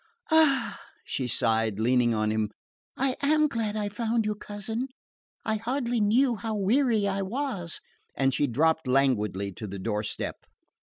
"Ah," she sighed, leaning on him, "I am glad I found you, cousin; I hardly knew how weary I was;" and she dropped languidly to the doorstep.